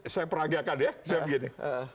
saya peragiakan ya saya begini